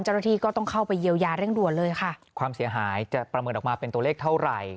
เจ้าหน้าที่ก็ต้องเข้าไปเยียวยาเร่งด่วนเลยค่ะความเสียหายจะประเมินออกมาเป็นตัวเลขเท่าไหร่